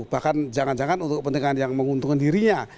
bahkan jangan jangan untuk kepentingan yang menguntungkan dirinya